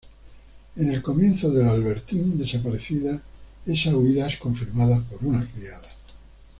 En el comienzo del "Albertine desaparecida", esa huida es confirmada por una criada.